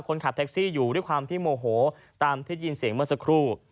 คนขับแท็กซี่อยู่ด้วยความที่โมโหตามที่ยินเสียงเมื่อสักครู่